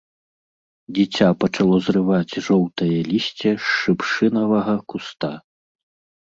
Дзіця пачало зрываць жоўтае лісце з шыпшынавага куста.